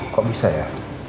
kok bisa ya